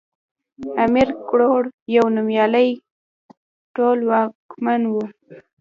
امير کروړ يو نوميالی ټولواکمن وی